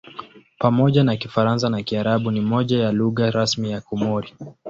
Pamoja na Kifaransa na Kiarabu ni moja ya lugha rasmi ya Komori.